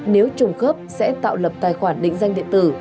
nếu trùng khớp sẽ tạo lập tài khoản định danh điện tử